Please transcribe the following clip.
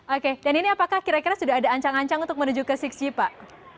oke dan ini apakah kira kira sudah ada ancang ancang untuk menuju ke enam g pak